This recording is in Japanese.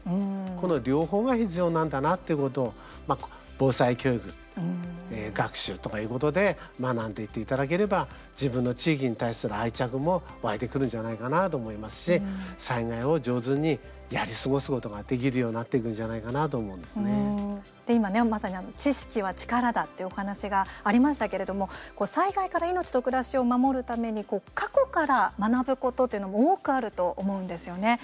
この両方が必要なんだなってことを、防災教育学習とかいうことで学んでいっていただければ自分の地域に対する愛着も湧いてくるんじゃないかなと思いますし、災害を上手にやり過ごすことができるようになっていくんじゃないかなと今まさに知識は力だというお話がありましたけれども災害から命と暮らしを守るために過去から学ぶことっていうのも多くあると思うんですよね。